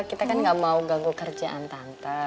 kita kan gak mau ganggu kerjaan tante